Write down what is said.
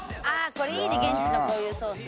これいいね現地のこういうソース